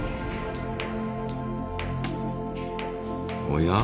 おや？